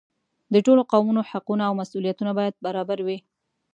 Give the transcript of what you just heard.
د ټولو قومونو حقونه او مسؤلیتونه باید برابر وي.